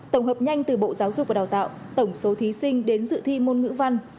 tổng hợp nhanh từ bộ giáo dục và đào tạo tổng số thí sinh đến dự thi môn ngữ văn